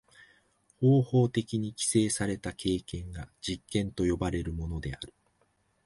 方法的に規制された経験が実験と呼ばれるものである。